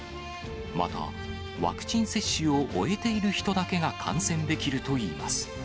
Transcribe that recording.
また、ワクチン接種を終えている人だけが観戦できるといいます。